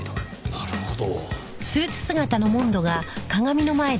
なるほど。